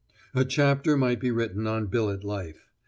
A chapter might be written on billet life.